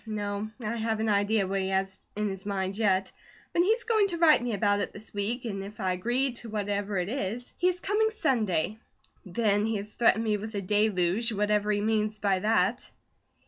No. I haven't an idea what he has in his mind yet, but he's going to write me about it this week, and if I agree to whatever it is, he is coming Sunday; then he has threatened me with a 'deluge,' whatever he means by that."